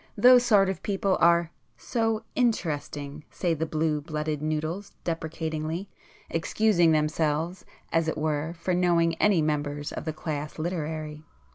Those sort of people are so 'interesting' say the blue blooded noodles deprecatingly, excusing themselves as it were for knowing any members of the class literary.